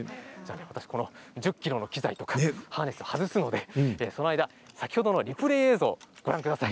１０ｋｇの機材とかハーネスを外すのでその間、先ほどのリプレー映像をご覧ください。